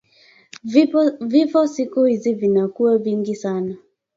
Vifo siku izi vinakuwa vingi sana